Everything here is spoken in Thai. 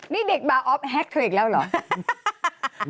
นี่เด็กบาร์ออฟแฮกเธออีกแล้วเหรอ